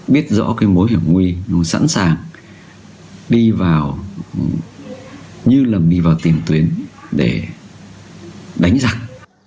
biết rõ cái mối hiểm nguy sẵn sàng đi vào như là đi vào tìm tuyến để đánh giặc